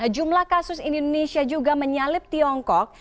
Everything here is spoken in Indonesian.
jumlah kasus indonesia juga menyalip tiongkok